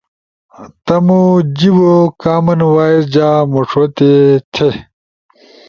تمو جیبو کامن وایئس جا موݜو تھے تے۔